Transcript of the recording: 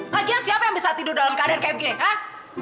lagian siapa yang bisa tidur dalam keadaan kayak gini kak